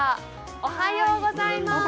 おはようございます。